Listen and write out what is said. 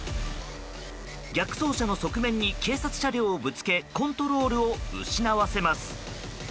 逆走車の側面に警察車両をぶつけコントロールを失わせます。